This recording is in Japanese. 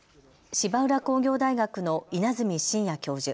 芝浦工業大学の稲積真哉教授。